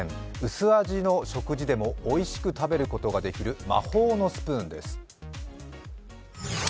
薄味の食事でもおいしく食べることができる魔法のスプーンです。